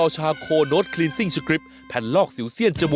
ช่วงหน้าครับ